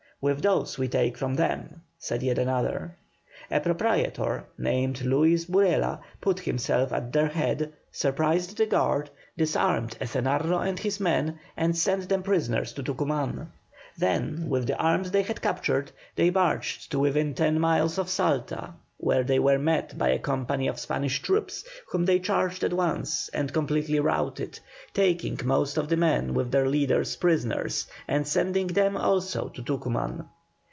"With those we take from them," said yet another. A proprietor, named Luis Burela, put himself at their head, surprised the guard, disarmed Ezenarro and his men, and sent them prisoners to Tucuman. Then, with the arms they had captured, they marched to within ten miles of Salta, where they were met by a company of Spanish troops, whom they charged at once, and completely routed, taking most of the men with their leader prisoners, and sending them also to Tucuman.